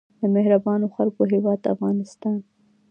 د مهربانو خلکو هیواد افغانستان.